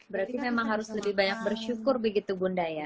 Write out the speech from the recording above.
berarti memang harus lebih banyak bersyukur begitu bunda ya